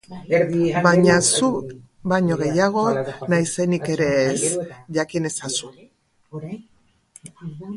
Baina zu baino gehiago naizenik ere ez, jakin ezazu.